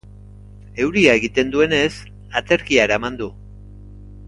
Euria egiten duenez, aterkia eraman du.